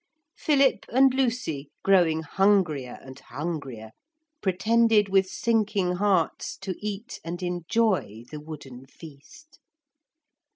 Philip and Lucy, growing hungrier and hungrier, pretended with sinking hearts to eat and enjoy the wooden feast.